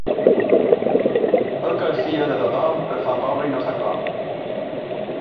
El que es fia de tothom, es fa pobre i no sap com.